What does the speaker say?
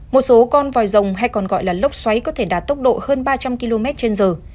một số con vòi rồng hay còn gọi là lốc xoáy có thể đạt tốc độ hơn ba trăm linh km trên giờ